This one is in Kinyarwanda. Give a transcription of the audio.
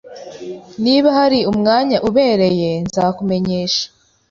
Niba hari umwanya ubereye, nzakumenyesha.